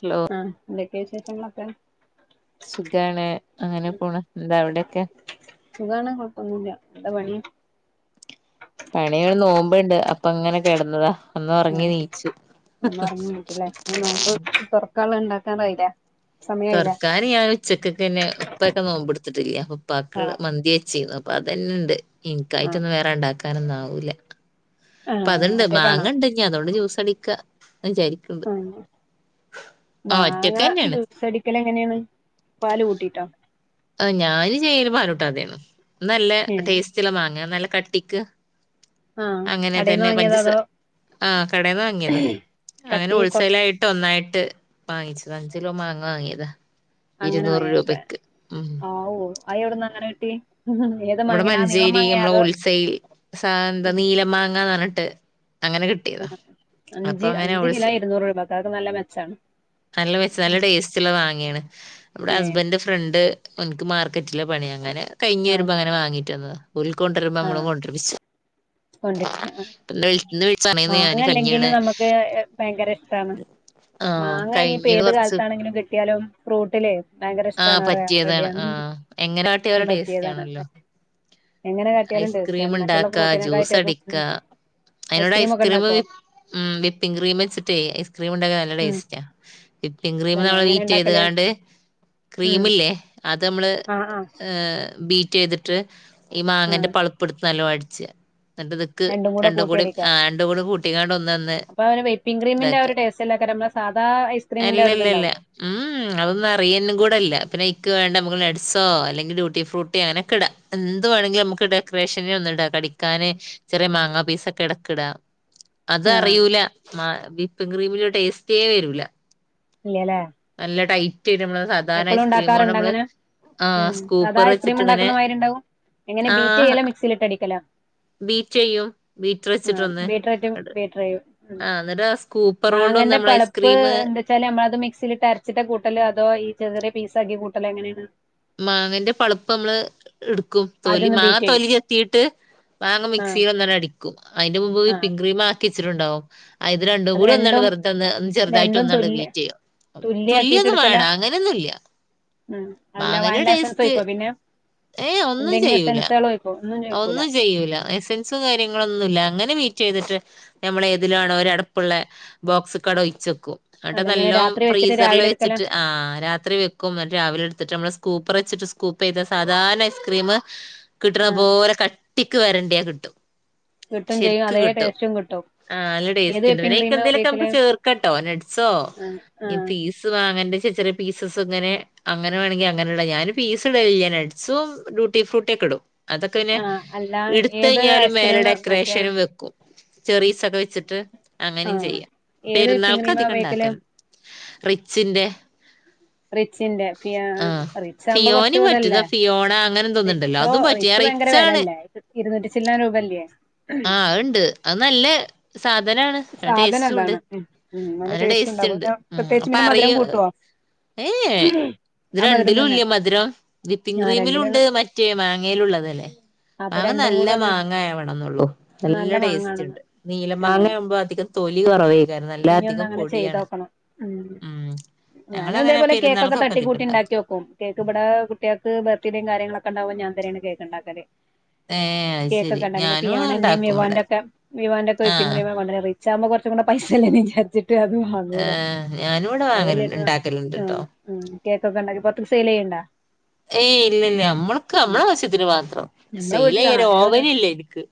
Hello ആ വെക്കേശേഷങ്ങളൊക്കെ സുഖാണ് അങ്ങനെ പോണ് എന്താ അവിടെക്കെ ഒന്നുമില്ല എന്താ പണിയ പണികള് നോമ്പണ്ട് അപ്പൊ അങ്ങനെ കിടന്നതാ ഒന്ന് എ ഉറങ്ങി നീച്ചു ഒന്ന് ർങ്ങിയെകുല്ലേ നോമ്പ് തുൊറക്കുള്ള ഉണ്ടാക്കാൻായില തർക്കാർ ഞാൻ ഉച്ചക്കൊക്കെന്നെ ഉപ്പൊക്കെ നോമ്പെടുത്തിട്ടില്ല അ ഉപ്പാക്ക് ആഹ് മന്തിചിനി അപ്പൊ അതന്നെയ ഇണ്ട് ആഹ് ഇനക്കായിട്ടൊന്നും വേറെ ഇണ്ടാക്കാനൊന്നും വേറെ ഇണ്ടാക്കാനൊന്നും ആവൂല അപ്പ ആഹ് അതുണ്ട് ഒറ്റക്കാണോ മാങ്ങ ഉണ്ട് ഇ അതുകൊണ്ട് ജ്യൂസ അടിക്ക ആ ആ മാങ്ങ ഒറ്റക്ക് തന്നെയാണ് ജ്യൂസടിക്കല എങ്ങനെയാണ് പാല് കൂട്ടിട്ടോ ആ ഞാന് ചെയല് പാലൂട്ടതെയാണ് ഇന്ന് നല്ല ഏഹ് ടേസ്റ്റുള്ള മാങ്ങ നല്ല കട്ടിക്ക് ആഹ് അങ്ങനെ കടേന്ന് തന്നെ വാങ്ങിയതോ പഞ്ചസ അതോ ആ കടെന്ന് വാങ്ങിയത അങ്ങനെ കട്ടി കൊർ ഒത്സലായിട്ട് ഒന്നായിട്ട് ട്ട് വാങ്ങിച്ചത് അഞ്ച കിലോ മാാങ്ങ വാങ്ങിയതാ അങ്ങനെ ഇരുന്നൂറ് വാങ്ങിയ അപ്പ രൂപക്ക് ഉം ആവോ അയ് എവിട്ന്ന് അങ്ങനെ കിട്ടി ഏത് ഇവടെ മാങ്ങേണ് ആ നീളം മഞ്ചേരി മാങ്ങയാ നമ്മടെ അതോ ഒൾസയിൽ എന്താ നീല മാങ്ങന്ന് പറഞ്ഞിട്ട് അങ്ങനെ കിട്ടിയതാ അപ്പൊ അഞ്ച് അങ്ങനെ അഞ്ച കിലോ ഹോൾസെ ഇരുന്നൂറ് രൂപക്ക അതർക്കെ നല്ല മെച്ചാണ് നല്ല മെച്ച നല്ല ടേസ്റ്റ് ഉള്ള മങ്ങയാണ് നമ്മുടെ ഏഹ് ഹസ്ബൻന്റെ ഫ്രണ്ട് എനിക്ക് മാർക്കറ്റില പണി അങ്ങനെ കഴിഞ്ഞഞ് ആഹ് വരുമ്പോ അങ്ങനെ വാങ്ങിട്ട് വന്നത ഒൾക്കൊണ്ട്രുമ്പ നമ്മൾ കൊണ്ടണ്ട്മ്പിച്ച കൊണ്ടിരിക്ക വിളിച്ചാണേന്ന് മാങ്ങ ഞാന് അല്ലെങ്കിലും കഞ്ഞീണ് നമുക്ക് ഭയങ്കര ഇഷ്ടണ് ആ മാങ്ങ ഇനിയിപ്പോ കഴിഞ്ഞത് ഏത് കൊറച്ച് കാലത്താണെങ്കിലും കിട്ടിയാലോ ഫ്രൂട്ടിലേ ഭയങ്കര ആ ഇഷ്ടണ അറിയ പറ്റിയതാണ്. ആ റെഡിയാണ് എങ്ങനെ കാട്ടിയാലും ടേസ്റ്റ് പറ്റിയതാണ് ആണല്ലോ. എങ്ങനെ കാട്ടിയാലും ഐസ്ക്രീം ടേസ്റ്റാണ് മറ്റുള്ള ഉണ്ടാക്ക ജ്യൂസ് ഫ്രൂട്ടിനെക്കായിട്ടൊക്കെ അടിക്ക ഉം അതിനോട് ഒക്കെ ഐസ്ക്രീം മ് ഉണ്ടാക്കുവോ വിപ്പിംഗങ് ക്രീം വെച്ചിട്ടേ ഐസ്ക്രീം ഇണ്ടാക്കാ നല്ല ഉം ടേസ്റ്റ വിപ്പിംഗ ക്രീം തന്നെ നമ്മള് എങ്ങനെ വീറ്റ് ചെയ്ത ഉണ്ടാക്കല് കാണ്ട് ഉം ക്രീമല്ലേ അത് നമ്മള് ആഹ് ആഹ് എ ബീ ചെയ്തിട്ട് ഈ മാങ്ങന്റെ ആഹ് പളുപ്പ് എടുത്ത് നല്ലോ അടിച്ച എന്നിട്ട് ദക്ക് രണ്ടും രണ്ട കൂടെ കൂട്ടിയടിക്ക ആ രണ്ട കൂടെ കൂട്ടിക്കാണ്ട ഒന്ന്ന്ന് അപ്പൊ അവന് വിപ്പിംഗ് ക്രീമിന്റെ ആ ഇതക്ക് ഒരു ടേസ്റ്റ്ല്ലക്കാരം നമ്മളെ സാധാ ഐസ്ക്രീമിന്റെ ആ അല്ലല്ലല്ല ഒരിതുണ്ടാവോ ഉം അതൊന്നും അറിയാനും കൂടെല്ല പിന്നെ ക് വേണ്ട നമുക്ക് നെ്സോ അല്ലെങ്കിൽ ഡ്യൂട്ടി ഫ്രൂട്ടി അങ്ങനെയൊക്കെടാ എ വേണെങ്കിൽ നമുക്ക് ഡെക്കറേഷനെ ഒന്നും ഇടാ കടിക്കാന് ചെറിയ മാങ്ങാ പീസ് ഒക്കെ ഇടക്ക ഇടാ അത ആഹ് അറിയൂല മ വിപ്പി ക്രീമന്റെ ടേസ്റ്റേ വരൂല ഇല്ലല്ലേ നല്ല ടൈ ട്ട് നമ്മള് സാധാരണ എപ്പളും ഐസ്ക്രീമ കൊണ്ട് ഉണ്ടാക്കാറുണ്ട് നമ്മള് അങ്ങനെ ആ ഉം സാധാ സ്കൂപ്പർ ഐസ്ക്രീം വെച്ചിട്ട് ഇങ്ങനെ ഉണ്ടാക്കണ മാതിരി ഉണ്ടാവും എങ്ങനെ ബീറ്റ് ആഹ് ചെയ്യല മിക്സിൽ ഇട്ട് അടിക്കല ബീറ്റ് ചെയ്യും ബീറ്റർ ആ വച്ചിട്ടന്ന് ബീറ്ററേറ്റ് ന്നിട്ട് ആ എന്നിട്ട സ്കൂപ്പർ ആ അങ്ങനെ പളപ്പ് എന്താ വെച്ചാൽ നമ്മളത് മിക്സിൽട്ട് അരച്ചിട്ട കൂട്ടല് അതോ ചെറിയ പീസക്കെ കൂട്ടൽ എങ്ങനെയാണ് മാങ്ങന്റെ പളുപ്പ് നമ്മള് എടുക്കും തോലി ആദ്യൊന്ന് മാങ്ങ ബീറ്റ് ചെയ്യും തോലി എത്തിട്ട് മാങ്ങ ആ മിസിൽന്നടിക്കും അതിന്റെ മുമ്പ് ആ വിപ്പിംഗ് ക്രീം ആക്കി വച്ചിട്ടുണ്ടാവും അ ഇത് രണ്ടും കൂടി ഒന്നാണ്ണ്ട് വെറുതന്ന്ന്ന് ചെറുതായിട്ട് രണ്ടും ഒന്നാണ്ട് തുല്യ വീറ്റ് ചെയ്യ തുല്യ ആക്കിട്ട് ഒന്നും എടുക്കല വേടാ അങ്ങനൊന്നും ഇല്ല ഉം അല്ല വാനില സൻസ് ഒഴിക്കോ പിന്നെ ഏയ് ഒന്നും എന്തെങ്കിലും ചെയ്യൂല സെൻസോ ഒഴിക്കോ ഒന്നും ചെയ്യൂല്ല എസൻസും കാര്യങ്ങളൊന്നുംല്ല അങ്ങനെ വി റ്റ് ചെയ്തിട്ട് നമ്മൾ ഏതിലാണ ഒര അടപ്പുള്ള ബോക്സ് കട ഒഴിച്ചെക്കും എന്നട്ട് അതെങ്ങനെ നല്ലോ രാത്രി വെച്ചിട്ട് ഫ്രീസറില് രാവിലെ എടുക്കല വെച്ചിട്ട് ആ രാത്രി വെക്കും എന്നട്ട് രാവിലെ എടുത്തിട്ട് നമ്മള് സ്കൂപ്പർ വെച്ചിട്ട് സ്കൂപ്പ് ചെയ്ത സാധാരണ ഐസ്ക്രീം കിട്ടുന്ന ആ പോലെ കട്ടി ക്ക് വരേണ്ടിയാ കിട്ടും കിട്ടും ചെയ്യും അതേ ടേസ്റ്റും കിട്ടും ആഹ നല്ല ഏത് ടേസ്റ്റ് ഉണ്ട് വിപ്പിംഗ് ക്രീമാ പിനൊക്കെന്തേലുമൊക്കെ നമുക്ക് ഉപയോഗിക്കല് ചേർക്കട്ടോ നട്സോ ആഹ് ഈ ആഹ് പീസ് വാങ്ങന്റെ ചെ ചെറിയ പീസസ് അങ്ങനെ അങ്ങനെ വേണെങ്കി അങ്ങനെയുള്ള ഞാന് പീസ് ഇട വലിയ നട്ട്സും ടുട്ടി ഫ്രൂട്ടിയ ഒക്കെ ഇടും അതൊക്കെ പിന്നെ ആഹ് അല്ല എടുത്ത ഏത് കഴിഞ്ഞാലും മേലെ ഐസ്ക്രീം മറ്റേ ഡെക്കറേഷനും വെക്കും ചെറീസ്ക്കെ വെച്ചിട്ട് അങ്ങനെയും ആഹ് ചെയ്യാം ഏത് വിപ്പിംഗ് പെരുന്നാൾക്ക് ക്രീമാ അധികം ഉപയോഗിക്കല് ഉണ്ടാക്കള്ളൂ റിച്ചിന്റെ റിച്ചിന്റെ ഫിയാ ആഹ റിച്ച് ആകുമ്പോ കൊറച്ച് ഫിയോനി പറ്റുതാ ഇതല്ലേ ഫിയോണ അങ്ങനെന്ത ല്ല അത് പറ്റ കുച്ച് ഭയങ്കര വിലല്ലേ ഇരുന്നൂറ്റി ചില്ലാൻ രൂപല്ലയേ ആഹ ഉണ്ട് അത് നല്ലേ സാധനാണ് സാധനം ടേസ്റ്റ് ഉണ്ട് അതാണ് ഉം ഉം നല്ല അങ്ങനെ ടേസ്റ്റ് ഉണ്ടാവും ഇണ്ട് പിന്നെ ഉ പ്രത്യേകിച്ച് അപ്പ പിന്നെ മധുരം അറിയോ കൂട്ടുവോ ഏ ഇത് ആ മധുരം രണ്ടിലും തന്നെ ഇല്ല മധുരം വിപ്പിംഗ ആഹ് ക്രീമിലും ഉണ്ട് രണ്ടിലെണ്ണം മറ്റേ മാങ്ങയിലും ഉള്ളതല്ലെ അപ്പൊ മാങ്ങ രണ്ടും നല്ല കൂടെ ഒന്നി മാങ്ങ ആവണം എന്നള്ളു നല്ല ടേസ്റ്റ് ഉണ്ട് നീല മാങ്ങ ആഹ് ആകുമ്പോ ഇ അധികം തൊലി കുറവായി കാരണം നല്ല ഇനി ഒന്ന് അധികം അങ്ങനെ പൊടിയാണ് ചെയ്തോക്കണം ഉം ഞാനും ഞങ്ങളങ്ങനെ ഇതേപോലെ കേക്കെക്കെ പെരുന്നാൾക്കൊക്കെ ഇതൊക്കെ തട്ടിക്കൂട്ടി ഉണ്ടാക്കി ഇണ്ടാക്കും വെക്കും കേക്ക് ഇവിടെ കുട്ടികൾക്ക് ബർത്ത്ഡേയും കാര്യങ്ങളൊക്കെ ഉണ്ടാവ ഞാ തന്നെയാണ് കേൾക്കണ്ടാക്കാെ ഏഹ് അത് ശരി കേക്കൊക്കെ ഉണ്ടാക്കാണെ ഞാനും ഫണന്റെ ഇണ്ടാക്കും ഇവിടെ വിവാന്റെ ഒക്കെ വിവാന്റെ ഒക്കെ ആഹ് ഇ ഇതാകുമ്പോ കുറച്ചുകൂടെ പൈസല്ലേ ചാജ് മ അതും വാങ്ങുല്ല ഏഹ് ഞാനും ഇവിടെ വാങ്ങല് അതെല്ലേ ട്ട ആഹ ഇണ്ടാക്കലുണ്ട്ട്ടോ ആ കേക്കൊക്കെ ഉണ്ടാക്കി പൊറത്ത് സെൽ ചെയ്യണ്ടാ ഏയ് ഇല്ലല്ല നമ്മൾക്ക് ഉം നമ്മളെ വശ്യത്തിന് മാത്രം നമ്മളെ സെൽ വീട്ടിലാ ചെയ്യാൻ അതേപോലെ ഓവൻ ഇല്ല എനിക്ക്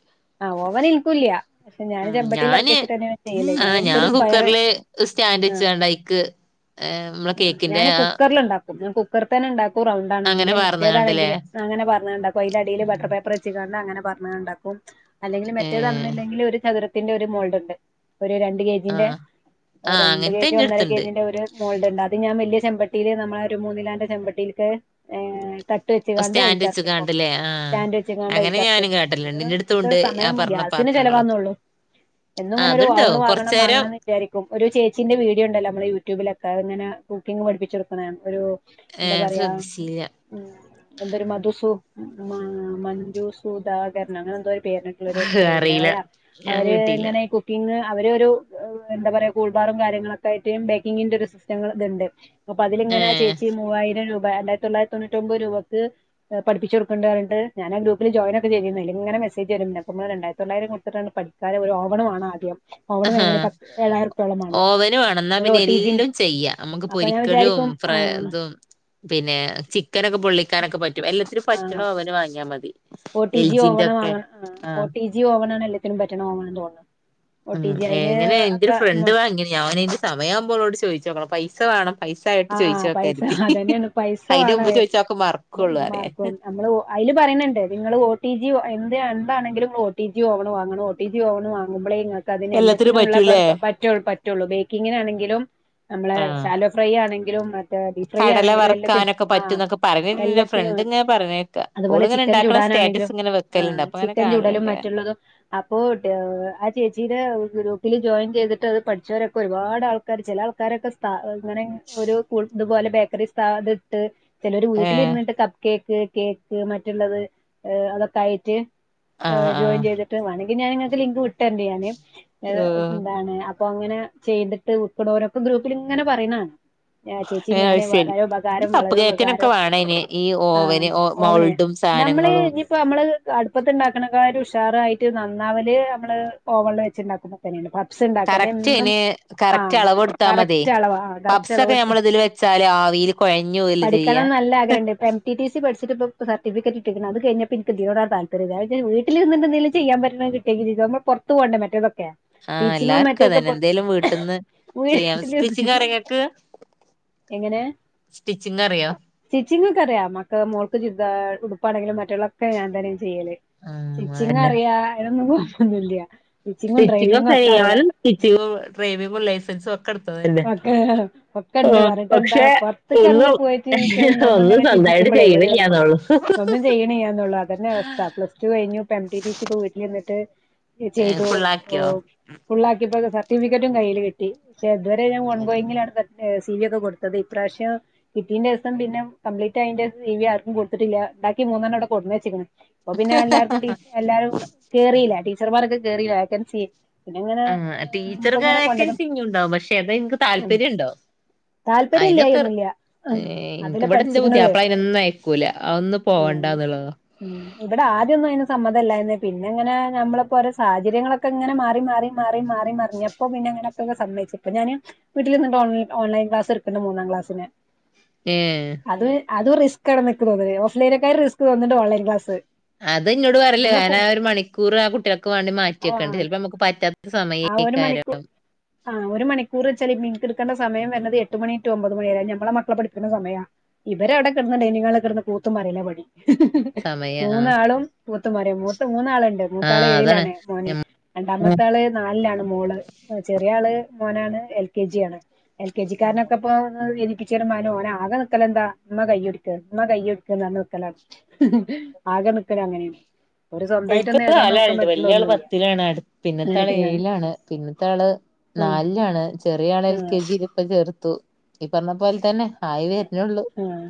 ആ ഓവ നിൽക്കൂല്ല പക്ഷെ ഞാന് ഉം ചമ്പട്ടിൽ ഞാന് ഇറക്കെച്ചിട്ട്ക്കെ ചെയ്യല്ലേ ആഹ് ഞ ഞാൻ കുക്കറില് സ്റ്റാൻഡ് വെച്ച വണ്ടായിക്ക് ഞാൻ കുക്കറൽ ഉണ്ടാക്കും ഞാൻ കുക്കർ പത്തനെ ഉണ്ടാക്കും റൗണ്ട ആണെങ്കിൽ അങ്ങനെ മറ്റേതാണെങ്കി പാർന്ന്കാണ്ടല്ലേ അങ്ങന പറഞ്ഞുണ്ടാക്ക അതിന്റെ അടിയില് ബട്ടർ പേപ്പർ വെച്ച് കാണും അങ്ങനെ പറഞ്ഞത് ഉണ്ടാക്കും അല്ലെങ്കിൽ ഏഹ് മറ്റേതാണന്നിണ്ടെങ്കിൽ ഒരു ചതുരത്തിന്റെ ഒരു മോൾഡ് ഉണ്ട് ഒരു രണ്ട് കെ ജിന്റെ ആഹ് ആഹ് രണ്ട് കെ അങ്ങനത്തെ ജി ഒന്നര കെ എന്റെടുത്തുണ്ട് ജിന്റെ ഒരു മോൾഡ്ണ്ട് അത് ഞാൻ വലിയ ചെമ്പട്ടിയില് നമ്മളെ ഒരു മൂന്നിലാന്റെ ചെമ്പട്ടേക്ക് ത തെറ്റിക്കാണ്ട് അതിൽ സ്റ്റാൻഡ് ഇറക്കി വെക്കും വെച്ച്കാണ്ടല്ലേ ആഹ് സ്റ്റാൻഡ് തെറ്റിക്കണ്ട് ഇറക്കി അങ്ങനെ ഞാനും വെക്കും കാട്ടലുണ്ട് അതിന് ഒരു എന്റെടുത്തുണ്ട് ആ സമയം പറഞ്ഞ ഗ്യാസി ചെലവാന്നെ പാത്രങ്ങളൊക്കെ ഉള്ളു ആഹ് എന്നുംങ്ങനെ ഒരു ഓവൻ അതുണ്ടാവും വാങ്ങണം കൊറച്ചേരം വാങ്ങനന്ന് വിചാരിക്കും ഒരു ചേച്ചീന്റെ വീഡിയോ ഉണ്ടല്ലോ മ്മള് യൂട്യൂബിലൊക്കെ ഇങ്ങനെ കുക്കിംഗ് പഠിപ്പിച്ചെടുക്കുന്ന എന്താ ഏഹ് പറയാ ശ്രദ്ധിച്ചില്ല ഉ എന്തൊരു മധുസു മഞ്ജു സുധാകരണം അങ്ങനെ എന്തോ പേട്ടുള്ളരു പേരുണ്ട് അറിയില്ല അവരാ ഞാൻ അവര് കേട്ടില്ല ഇങ്ങനെ കുക്കിങ് അവര ഒരു എന്താ പറയാ കൂൾബാറും കാര്യങ്ങളൊക്കെ ആയിട്ടും ബേക്കിങ്ങിന്റെ ഒരു സിസ്റ്റങ്ങളൊക്കെ ഇണ്ട് അപ്പൊ അതിലങ്ങനെ ഏഹ് ചേച്ചി മൂവായിരം രൂപ രണ്ടായിരത്തിതൊള്ളയിരത്തി തൊണൂറ്റി ഒമ്പത് രൂപക്ക് പഠിപ്പിച്ചു കൊടുക്കണ്ടട്ട് ഞാൻ ആ ഗ്രൂപ്പിൽ ജോയിൻ ഒക്കെ ചെയ്യുന്നങ്ങനെ മെസേജ് വരുന്നപ്പ ഇങ്ങള് രണ്ടയിരത്തി തൊള്ളായിരം കൊടുത്തിട്ടുണ്ട് പഠിച്ചാൽ ഒരു ഓവൻ വേണം ആദ്യം ഓവണം ഹ വാങ്ങണേ പത്ത് ഏഴായിരം റുപ്യോളം വേണം ഓവന് വണന്നാ ഒരു ഒ പിന്നെ ടി ജി എല്ലാം ചെയ്യാം നമ്മുക്ക് അപ്പൊ ഞാൻ പൊരിക്കലും വിചാരിക്കും ആ തും പിന്നെ ചിക്കനൊക്കെ പൊള്ളിക്കാനൊക്കെ പറ്റും എല്ലാത്തിനും ആ പറ്റണ ഓവന് വാങ്ങിയാൽ മതി ഒ ടി ജി എൽജിന്റെ ഓവണ ഒക്കെ വങ്ങ ഒ ആഹ് ടി ജി ഓവണ ആണ് എല്ലാത്തിനും പറ്റണ ഓവണ തോന്നുന്നത് ഉം എങ്ങനെ എന്റെ ഒരു ഫ്രണ്ട് വാങ്ങിത് ഞാനിനി സമയാവുമ്പോട് ചോദിച്ച നോക്കണം പൈസ വേണം പൈസ ആയിട്ട് ആ പൈസ ചോയിച്ചോക്കരുതി അതന്നെയാണ് പൈസ അതിന്റെ വേണം മുമ്പ് ചോയിച്ചൊക്കെ മറക്കുള്ളൂ അറിയ അല് പറയണ്ട് നിങ്ങൾ ഒ ടി ജി അ എന്താണെങ്കിലും ഒ ടി ജി ഓവൺ വാങ്ങണം ഒ ടി ജി ഓവൺ വാങ്ങുമ്പോളെ അ എല്ലാത്തിനും എല്ലാത്തിനുംള്ള പറ്റൂലേ പറ്റുള്ളൂ പറ്റുള്ളൂ ബേക്കിങ്ങിനാണെങ്കിലും നമ്മളെ ആഹ് ഫ്രൈ ആണെങ്കിലും ഫ്രീ കടല ആണെങ്കിലും എല്ലത്തിനു വറുക്കാനൊക്കെ ആ പറ്റുംന്നൊക്കെ പറഞ്ഞിട്ടുണ്ട് എന്റെ എല്ലത്തിനും ഫ്രണ്ട് ഇങ്ങനെ പറഞ്ഞേക്കാ അതുപോലെ ഓളിങ്ങനെ ചിക്കൻ ഇണ്ടാക്കണ ചൂട സ്റ്റാറ്റസ് ഇങ്ങനെ വെക്കലുണ്ട് അപ്പൊ അങ്ങനെ ചിക്കൻ ചുടലും കാണലുണ്ട് ഞാൻ മറ്റുള്ളതും അപ്പോ ആ ചേച്ചിടെ തിൽ ജോയിൻ ചെയ്തിട്ട് അത് പഠിച്ചവരക്കെപാട് ആൾക്കാർ ചില ആൾക്കാരൊക്കെസ്ഥാപ അങ്ങനെ ഒരു ഇതുപോലെ ബേക്കറി സ്ഥ ഇട്ട് ചില ഒരു ഏഹ് വീട്ടിലിരുന്നിട്ട് കപ്പ് കേക്ക് കേക്ക് മറ്റുള്ളത് അതൊക്കെ ആായിട്ട് ആഹ് ജോയിൻ ആഹ് ചെയ്തിട്ട് വേണെങ്കിൽ ഞൻിങ്ങക്ക് ലിങ്ക് വിട്ടേണ്ടാന് ഏഹ് എന്താണ് അപ്പൊ അങ്ങനെ ചെയ്തിട്ട് വിക്കണോരൊക്കെ ഗ്രൂപ്പിൽ ഇങ്ങനെ പറയുന്നതാണ് ചേച്ചി ഏഹ് അത് ഞാന് ശരി വളരെ ഈ പകാരം കപ്പ് കേക്കിനൊക്കെ വളരോപകാരം വേണം അയിന് ഈ ആഹ ഓവന് ഓമനിയ മൗൾഡും നമ്മള് സാനങ്ങളും ഇനിപ്പോ നമ്മള് അടുപ്പത്തി ഉണ്ടാക്കുന്നക്കാര്ർ ഉഷാറുായിട്ട് നന്നാല് നമ്മള് ഓവള്ളം വെച്ചുണ്ടാക്കുമ്പ തന്നെയാണ് കബ്സ കറക്റ്റ് ും അയിന് ആ കറക്റ്റ് കറ [unintelligible] അളവെടുത്താ മതിയേ കറക്റ്റ് അളവാ കറക്റ്റ് പബ്സ് അളവ് ഒക്കെ എടുത്ത നമ്മൾ ഇതില് വെച്ചാല് ആവിയിൽ കൊഴഞ്ഞു പോവല്ലേ പഠിക്കണം ചെയ്യാ എന്ന് നല്ല ആഗ്രഹം ണ്ട് ബേടിി പ്രസാി ക [unintelligible] അ കഴിഞ്ഞപ്പോ എനിക്ക് ദിനോ താല്പര്യ വീട്ടിൽിന്ന് എെങ്കും ചെയ്യൻ പറ്റുന്നത് കട്ടെങ്ക നൾ പുറു പോണ്ട മറ്റേ ആഹ എല്ലാർക്കും തന്നെ എന്തേലും വീട്ടന്ന് ചെയ്യാം സ്റ്റച്ച് വീട്ടിലിരുന്ന് കാര്ങ്ങക്ക് എങ്ങനെ സ്റ്റിച്ചിങ് ഒക്കെ അറിയ മക്ക് മോൾക്ക് ഉടുപ്പാണെങ്കിലും മറ്റുള്ളൊക്കെ ഞാൻന്തന്നെയും ചെയ്യല് ആഹ് സ്റ്റിച്ചിങ്ങ് അറിയ അൊന്ന ല്ലയ സ്റ്റിച്ചിങ്ങും കിയാനും സ്റ്റിച്ചിങ്ങും ഡ്രൈവിങ്ങും ലൈസൻസും ഒക്കെ എടുത്തു ഓക്കെ ഒക്കെ ഉണ്ട് വട്ടെന്താ പക്ഷെ പുറത്തേക്ക ഇറങ്ങി ഒന്നും പോയിട്ട് ഒന്നും നമ്മളിങ്ങനെ സ്വന്തമായിട്ട് ചിന്തിക്കുമ്പോ ചെയ്യണില്ലാന്നൊള്ളു ഒന്നും ചെയ്യണന്നൂ അതന്ന അവസ്ഥ പ്ലസ് ടു കഴി എംടിി സ വീട്ടിൽ നിന്നിട്ട് ചെയ്തു് ഫുള്ളാക്കിയോ ഫുള്ളാക്കിയപ്പോ ിഫിക്കറ്റും കയ്യിൽ കിട്ടി പെേതുവരെ ഞാൻൺ ഗോയിങ്ങിലാണ് സി വി ഒക്കെ കൊടുത്തത് ഇപ്രാവശ്യം കിട്ടീന്റെ ദിവസം പിന്നെ കംപ്ലീറ്റ് അതിന്റെ സി വി ആർക്കും കൊടുത്തിട്ടില്ല ഉണ്ടാക്കി മൂന്നണ്ണംവിടെ കൊടു വെച്ചക്കണ് അപ്പൊ പിന്നെ എല്ലാർക്കും ടീ എല്ലാരും കേറിയില്ല ടീച്ചർമാരൊക്കെ കേറില്ല വേക ൻസി ആ ടീച്ചർ വാക്കൻസി ഇങ്ങ ഉണ്ടാവും പക്ഷെ അത എനിക്ക് താല്പര്യം ഉണ്ടോ താല്പര്യം അയിനൊക്കെ ഇല്ലായൊന്നുല്ല അതിലാ എനനിക്ക്ിവിടെ എന്താ പുതി പഠിച്ചിക്കണത് അപ്പ അയിനൊന്നും അയക്കൂല ഒന്നന്ന് പോകണ്ട ഉണ്ടാന്നുള്ളതാ ഉം ഇവിടെ ആദ്യംൊന്നും അതിന് സമ്മതല്ല പിന്നെ ഇങ്ങനെ നമ്മളിപ്പോ ഓരോ സാഹചര്യങ്ങളൊക്കെ ഇങ്ങനെ മാറി മാറി മാറി മാറി മറിഞ്ഞപ്പോ പിന്നെങ്ങനെ സമ്മയിച്ച ഇപ്പ ഞാന് വീട്ടിൽിഓ ഓൺലൻ ക്ലാസ് എക്കണ്ട് മൂന്നാം ക്ലാസിന് ആഹ അത് റിസ്ക്കാ ണ് നിക്ക് തോന്നുന്നത് ഓഫ്ലൈനക്കാര്റിസ് തോന്നുന്നുണ്ട് ഓലൈൻ ക്ലസ് അത് ഇന്നോട് പറയല്ലേ ഞൻ ആ ഒരു മണിക്കൂർ ആ കുട്ടികൾക്ക് വേണ്ടി മാറ്റി വെക്കണ്ടെ ആഹ് ചിലപ്പോ നമുക്ക് പറ്റാത്ത സമയ ആ ഒരു മണി അക്കാരം ആ ഒരു മണിക്കൂർ വെച്ചാൽ നിക്ക് എടുക്കണ്ട സമയം വരുന്നത് എട്ട് മണി ടു ഒമ്പത് മണിയ ഞമ്മുടെ മക്കളെ പഠപ്പിക്ക സമയം ഇവരവിടെ ിന കി കൂത്തമാരല്ല പടി സമയം ആ മൂന്നാളും കൂത്തമാ മൂ [unintelligible] മൂന്നാളുണ്ട് ആ മൂത്താള് അതാണ് ഏഴിലാണ് മോന് രണ്ടാമത്തെ ആള് നാലിലാണ് മോള് ചെറിയ ആള് മോനാണ് എൽ കെ ജി ആണ് എൽ കെ ജി കാരനൊക്കെ ഇപ്പ എനിക്ക് മാനും ഓനെ ആകെ നക്കല എന്താ കയ്യെടുക്ക എന്ന കയ്യൊടുക്ക നക്കല ആക നിക്ക അങ്ങനെയാണ് ഒരു എനിക്ക് സ്വന്തമായിട്ടൊന്നും എഴുതാൻ നോക്കാൻ കാലണ്ട് പറ്റുള്ള വലിയ ആള് ഒന്നുമില്ല പത്തിലാണ് പിന്നത്തെ ആള് അങ്ങനൊക്കെ ആണ് ഏഴിലാണ് പിന്നത്തെ ആള് [unintelligible] ആ നാലിലാണ് ചെറിയ ആൾ എൽ ആ കെ ജിയില ഇപ്പ ചേർത്തു ഈ പറഞ്ഞ പോലെ തന്നെ ഹൈവേ ഇാള്ള ആഹ്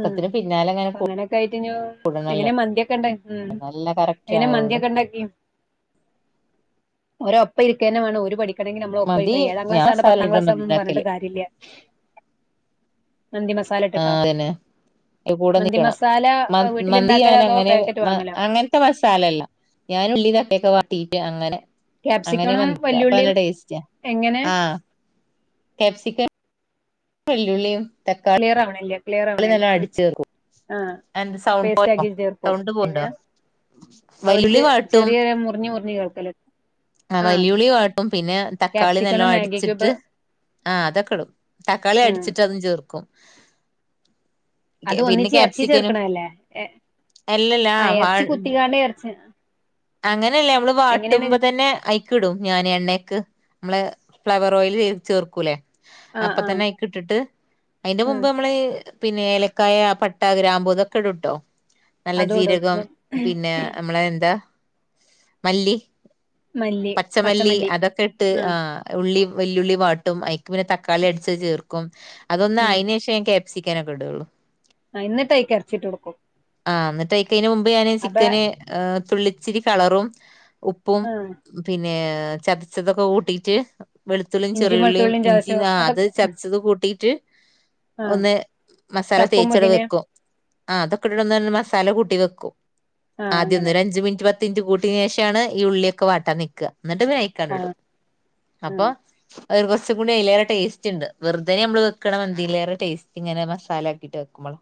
ഉം പിന്നാല അങ്ങനെ കൂടണല്ലോ ണ്ട നല്ല കറക്റ്റ് അങ്ങനെ ആവുള്ളു മന്തിൊക്കെ ഉണ്ടാക്കി ഓരൊപ്പം ഇരിക്കേന വേണം ഒരു പഠ മെങ്കി നമ്മൾ ഒപ്പ മന്തി ഏഴാം ഞാൻ ക്ലാസ്സണ്ട് മസാല പത്താം ഇടണം ക്ലാസ്ാന്ന പറഞ്ഞി് മന്തിണ്ടാക്കല് കാര്യല്ല മന്തി മസാല ആ ഇട്ടട്ടോ അതന്നെ കൂടെ നിക്കണം മന്ത് മന്തി വീട്ടില്ണ്ടാക്കലോ അതോ ഞാനങ്ങനെ പാക്കറ്റ് മ വാങ്ങലോ അങ്ങനത്തെ മസാലല്ല ഞാൻ ഉള്ളിതക്കാളിക്കെ വാട്ടി ക്ക്അങ്ങനെ അങ്ങനെ ക്യാപ്സിക്കണും മക്ക അപ്പൊ നല്ല വല്യുള്ളിയും ടേസ്റ്റ് എങ്ങനെ ആഹ് കാപ്സിക്കം വെല്ലുള്ളീം ക്ലിയറാവ്ണില്ലേ ക്കാളി നല്ല അടിച്ചേർക്കും ആഹ് എന്ത് സൗണ്ട് പോയോ പേസ്റ്റാക്കി ചേർക്കും സൗണ്ട് പിന്ന പോവ്ണ്ടോ അവര് വല്ലുള്ളി ചെ വാട്ടും ചെറിയ മുറിഞ്ഞ് മുറിഞ്ഞ് കേൾക്കല് ആഹ് വല്ലുള്ളി വാട്ടും പിന്നെ തക്കാളി ക്യാപ്സിക്കണ് നല്ലോ മാഗി ക്യൂബ് അടിച്ചിട്ട് ആഹ് അതക്ക്ടും തക്കാളി ഉം അടിച്ചിട്ട് അതും ചേർക്കും പിന്നെ അതൊന്നിച്ച് എറച്ചീ ക്യാപ്സിക്കനും ചേർക്കണതല്ലേ ഏഹ് അല്ലല്ല ആഹ് എറച്ചി കുത്തികാണ്ട് എറച്ചിന്നാ അങ്ങനല്ലെ നമ്മള് വാട്ടുമ്പ തന്നെ അയ് ക്ക്ടും ഞാന് എണ്ണേക്ക് മ്മളെ ഫ്ലവർ ഓയില് ചേർക്കൂലേ ആഹ് ആഹ് അപ്പതന്നെ അയ്ക്കിട്ട്ട്ട് അയ്ന്റെ ഉം മുമ്പ് മ്മള് പിന്നെ ഏലക്കായ പട്ട ഗ്രാമ്പൂതൊക്കെടുട്ടോ നല്ല അതോടും ജീരകം പിന്നെ മ്മ്ളെ എന്താ മല്ലി പച്ചമല്ലി അതൊക്കെട്ട് ആഹ് ഉള്ളീം വെല്ലുള്ളി വാട്ടും അയ്ക്ക് പിന്നെ തക്കാളി അടിച്ചത് ചേർക്കും അതൊന്ന് അയിന്നെഷെനി‌ക്കെ ചിക്കനക്കെട്ള്ളു ആഹ് എന്നിട്ടയ്ക്കെറച്ചിട്ടൊട്ക്കും ആഹ് ന്നിട്ടയ്ക്ക്ന് മുമ്പെ ഞാന് ചിക്കന് ഏഹ് തുള്ളിച്ചിരി കളറും ഉപ്പും ആഹ് പിന്നെ ചതച്ചതൊക്കെ കൂട്ടീട്ട് വെളുത്തുള്ളീം ഇഞ്ചി ചെറിയുള്ളീം വെളുത്തുള്ളിയും ഇഞ്ചിം ചതച്ചതും ആഹ് അത് അതൊക്കെ ചതച്ചത് കൂട്ടീട്ട് ആഹ് ഒന്ന് മസാല ചപ്പും തേച്ചടെ പൊതിനയും വെക്കും ആഹ് അതൊക്കെട്ടിട്ടൊന്ന് മസ് തല കൂട്ടി വെക്കും ആഹ് അങ്ങനെ ആദ്യോന്നൊരഞ്ച് മിൻറ്റ് പത് ത്തിന്റെ കൂട്ടിന്ശേഷാണ് ഈ ഉള്ളിയൊക്കെ വാട്ടാനിക്ക്വാ ന്ന്ട്ട് വേയ്ക്കാണ്ട്ടും ആഹ് ഉം അപ്പൊ അതല് കൊറച്ചുംകൂടി അയ്ലേറെ ടേസ്റ്റ്ണ്ട് വെറുതെ ഞമ്മള് വെക്കണ മന്തിലേറെ ടേസ്റ്റ് ഇങ്ങനെ മസാലക്കിട്ട് വെക്കുമ്പള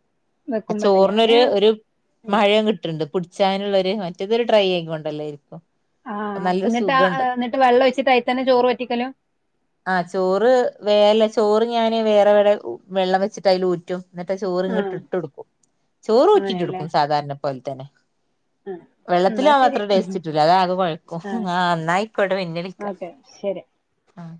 ആഹ് വെക്കുമ്പോണ്ട് ഞാന് ചോറിനൊര് ഒരു ഉം മയം കിട്ടൺണ്ട് പുടിച്ചാന്ള്ളര് മറ്റേതൊര് ട്രൈയെയ്കൊണ്ടല്ലേയിരിക്കും. ആഹ് അപ്പന്നിട്ട് ആ ആ ന്നിട്ട് വെള്ളം ഒയിച്ചിട്ടയിത്തന്നെ ചോറ് വറ്റിക്കലും. ആഹ് ചോറ് വേല ചോറ് ഞാന് വേറെവടെ വെള്ളം വെച്ചിട്ടയിലൂറ്റും. ന്നട്ട് ആഹ് ചോറ്ങ്ങട്ട് ഇട്ടൊടുക്കും. അങ്ങനെയല്ലേ ചോറൂറ്റിട്ടൊട്ക്കും സാധാരണ പോലെ തന്നെ. ആഹ് എന്നാ വെള്ളത്തിലാവുത്ര ശരി ആഹ് ടേസ്റ്റിട്ടൂല. അതാകെ കൊഴക്കും. ആ ന്നായിക്കോട്ടെ. പിന്നെ വിളിക്കാ. ഓക്കെ ശരി ആഹ്.